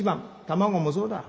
卵もそうだ。